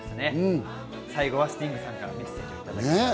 最後はスティングさんからメッセージをいただけたという。